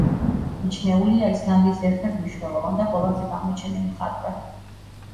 მიჩნეულია ისლანდიის ერთ-ერთ მნიშვნელოვან და ყველაზე გამოჩენილ მხატვრად.